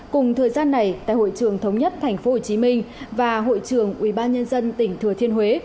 cùng thời gian này tại hội trường thống nhất thành phố hồ chí minh và hội trường ubnd tỉnh thừa thiên huế